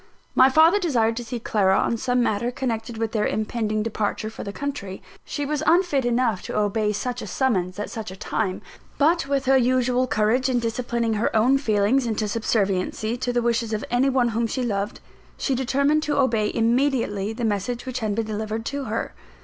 My father desired to see Clara on some matter connected with their impending departure for the country. She was unfit enough to obey such a summons at such a time; but with her usual courage in disciplining her own feelings into subserviency to the wishes of any one whom she loved, she determined to obey immediately the message which had been delivered to her.